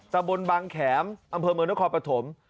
ตะบนบางแขมอำเภอเมืองนครปฐม